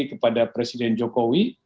kepada presiden jokowi